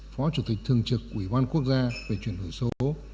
phó chủ tịch thường trực ủy ban quốc gia về chuyển đổi số